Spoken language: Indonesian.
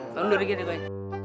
tunggu sedikit ya pai